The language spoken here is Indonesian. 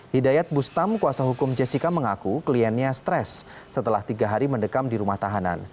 hidayat bustam kuasa hukum jessica mengaku kliennya stres setelah tiga hari mendekam di rumah tahanan